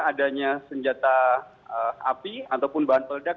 adanya senjata api ataupun bahan peledak